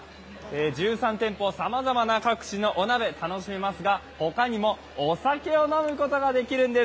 １３店舗、さまざまな各地のお鍋が楽しめますが、他にもお酒を飲むことができるんです。